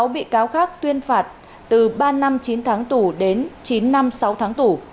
sáu bị cáo khác tuyên phạt từ ba năm chín tháng tù đến chín năm sáu tháng tù